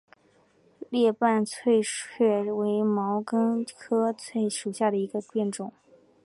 裂瓣翠雀为毛茛科翠雀属下的一个变种。